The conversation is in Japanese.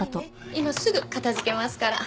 今すぐ片付けますから。